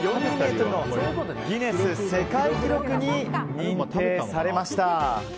ｍのギネス世界記録に認定されました。